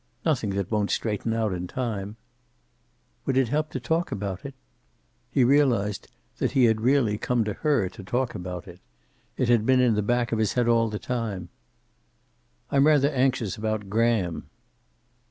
"Nothing that won't straighten out, in time." "Would it help to talk about it?" He realized that he had really come to her to talk about it. It had been in the back of his head all the time. "I'm rather anxious about Graham."